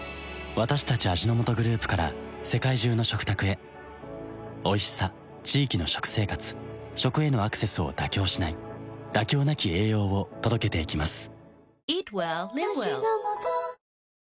私たち味の素グループから世界中の食卓へおいしさ地域の食生活食へのアクセスを妥協しない「妥協なき栄養」を届けていきます